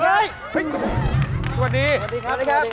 ไม่ต้อง